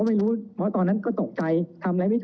แต่ถ้าดูประสบการณ์คือเป็นถึงผู้บังคับปัญชาในสถานีอย่างนี้ค่ะ